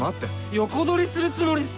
横取りするつもりっすか？